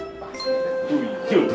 pasti ada kuih kuih disini